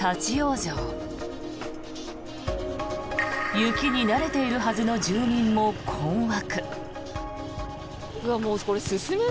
雪に慣れているはずの住民も困惑。